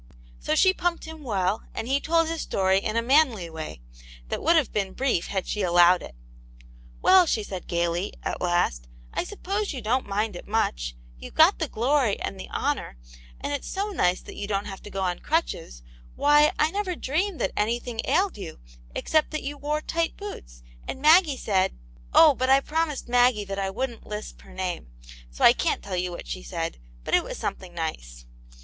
So she pumped him well, and he told his story in a manly way, that would have beea brief had she allowed it. " Well," she said, gaily, at last, " I suppose you don't mind it much. YouVe got the glory and the honour ; and it's so nice that you don't have to go on crutches ; why I never dreamed that anything ailed you, except that you wore tight boots, and Maggie said — oh,, but I promised Maggie that I wouldn't lisp her name, so I can't tell what she said, but it was something nice.